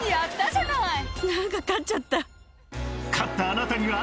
勝ったあなたには。